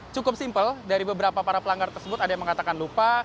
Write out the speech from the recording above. cukup simpel dari beberapa para pelanggar tersebut ada yang mengatakan lupa